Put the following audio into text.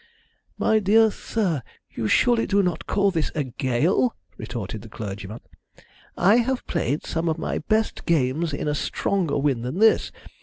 "My dear sir, you surely do not call this a gale," retorted the clergyman. "I have played some of my best games in a stronger wind than this.